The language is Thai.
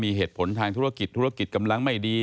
มีเหตุผลทางธุรกิจธุรกิจกำลังไม่ดี